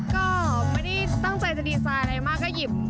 ก็ไม่ได้ตั้งใจจะดีไซน์อะไรมากก็หยิบ